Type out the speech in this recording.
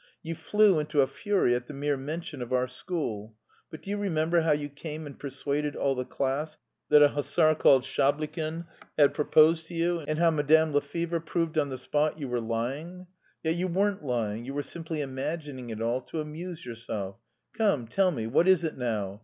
You flew into a fury at the mere mention of our school; but do you remember how you came and persuaded all the class that a hussar called Shablykin had proposed to you, and how Mme. Lefebure proved on the spot you were lying. Yet you weren't lying, you were simply imagining it all to amuse yourself. Come, tell me, what is it now?